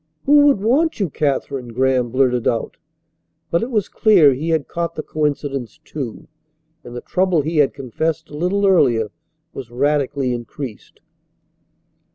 "Who would want you, Katherine?" Graham blurted out. But it was clear he had caught the coincidence, too, and the trouble he had confessed a little earlier was radically increased.